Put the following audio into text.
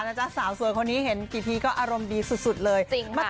น่าจะสาวคนนี้เห็นกี่ทีก็อารมณ์ดีสุดเลย